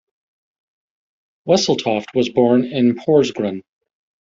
Wesseltoft was born in Porsgrunn.